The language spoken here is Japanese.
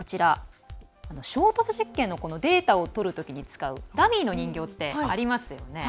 衝突実験のデータをとるときに使うダミーの人形ってありますよね。